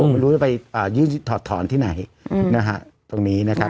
ไม่รู้จะไปยื่นถอดถอนที่ไหนนะฮะตรงนี้นะครับ